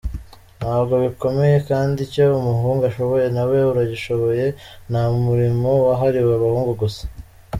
Ntabwo bikomeye, kandi icyo umuhungu ashoboye nawe uragishoboye, nta murimo wahariwe abahungu gusa.